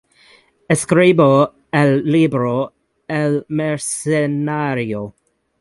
Escribió el libro "El mercenario".